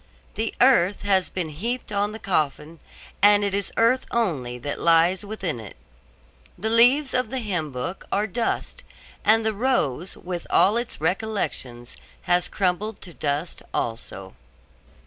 The earth has been heaped on the coffin, and it is earth only that lies within it. The leaves of the hymn book are dust; and the rose, with all its recollections, has crumbled to dust also.